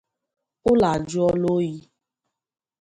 ụlọ ajụọla oyi.